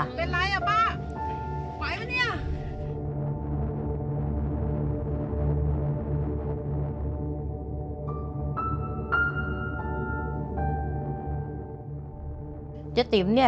เป็นไรอ่ะป้าไหวป่ะเนี่ย